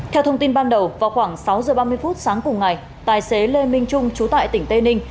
theo thông tin ban đầu vào khoảng sáu giờ ba mươi phút sáng cùng ngày tài xế lê minh trung chú tại tỉnh tây ninh